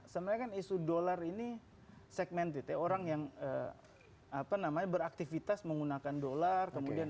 semenangan isu dollar ini segmented orang yang apa namanya beraktivitas menggunakan dollar kemudian